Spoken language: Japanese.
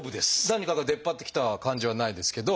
何かが出っ張ってきた感じはないですけど。